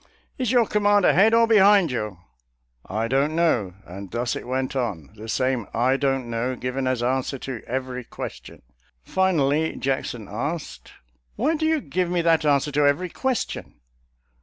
" Is your command ahead or behind you? "" I don't know." And thus it went on — the same " I don't know " given as answer to every question. Finally, Jackson asked, "Why do you give me that answer to every question?